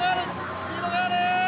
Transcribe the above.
スピードがある！